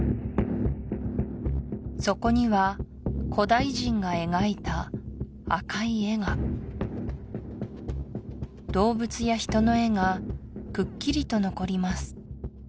そこには古代人が描いた赤い絵が動物や人の絵がくっきりと残ります